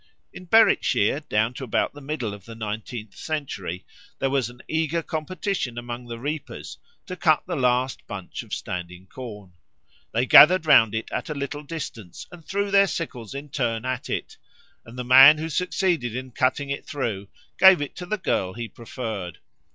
In Berwickshire down to about the middle of the nineteenth century there was an eager competition among the reapers to cut the last bunch of standing corn. They gathered round it at a little distance and threw their sickles in turn at it, and the man who succeeded in cutting it through gave it to the girl he preferred.